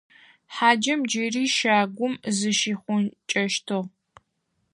Хьаджэм джыри щагум зыщихъункӀэщтыгъ.